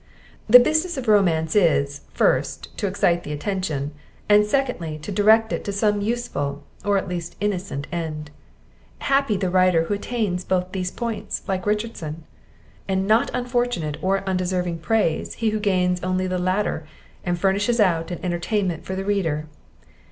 The business of Romance is, first, to excite the attention; and secondly, to direct it to some useful, or at least innocent, end: Happy the writer who attains both these points, like Richardson! and not unfortunate, or undeserving praise, he who gains only the latter, and furnishes out an entertainment for the reader!